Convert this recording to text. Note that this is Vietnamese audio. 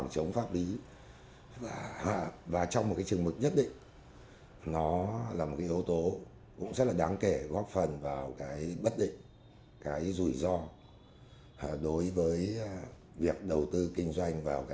chia lợi nhận của